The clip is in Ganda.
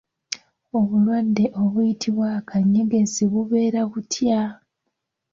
Obulwadde obuyitibwa akanyegezi bubeera butya ?